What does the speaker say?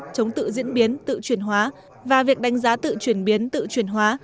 chống tự diễn biến tự chuyển hóa và việc đánh giá tự chuyển biến tự chuyển hóa